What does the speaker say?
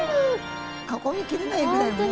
囲み切れないぐらいうわ。